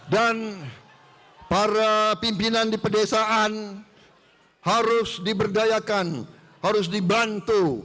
dan para pimpinan di pedesaan harus diberdayakan harus dibantu